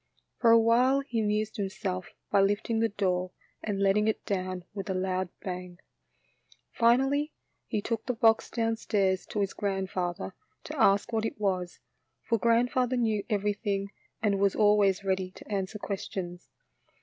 For a while he amused himself by lifting the door and letting it down with a loud bang. Finally he took the box downstairs to his grandfather to ask what it was, for grand father knew everything and was always ready to answer questions.